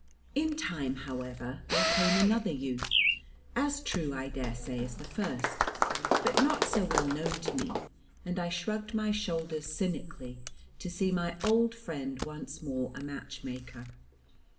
In time, however, there came another youth, as true, I dare say, as the first, but not so well known to me, and I shrugged my shoulders cynically to see my old friend once more a matchmaker.